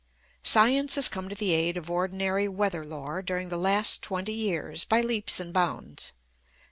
Science has come to the aid of ordinary weather lore during the last twenty years, by leaps and bounds.